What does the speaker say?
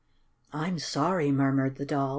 "I'm sorry," murmured the Doll.